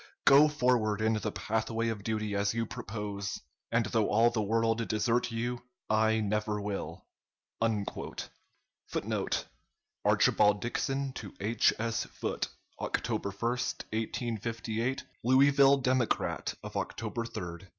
Go forward in the pathway of duty as you propose, and though all the world desert you, I never will.'" [Footnote: Archibald Dixon to H. S. Foote, October 1, 1858. "Louisville Democrat" of October 3, 1858.